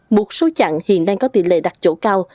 một số chặng hiện đang có tỷ lệ đặt chỗ cao